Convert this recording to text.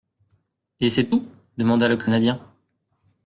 —Et c'est tout ? demanda le Canadien.